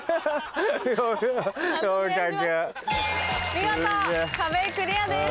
見事壁クリアです。